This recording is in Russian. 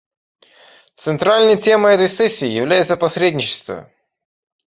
Центральной темой этой сессии является посредничество.